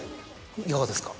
いかがですか？